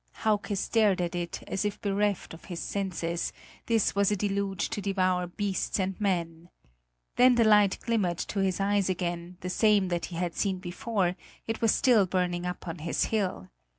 Hauke stared at it, as if bereft of his senses; this was a deluge to devour beasts and men. Then the light glimmered to his eyes again, the same that he had seen before; it was still burning up on his hill.